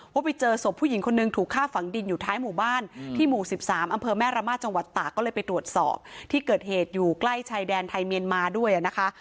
ว่าไปเจอศพผู้หญิงคนนึงถูกฆ่าฝังดินอยู่ท้ายหมู่บ้านที่หมู่๑๓อำเภอแม่ระมาทจังหวัดตากก็เลยไปตรวจสอบที่เกิดเหตุอยู่ใกล้ชายแดนไทยเมียนมาด้วยนะคะ